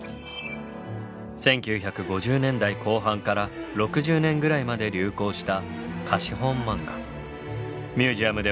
１９５０年代後半から６０年ぐらいまで流行した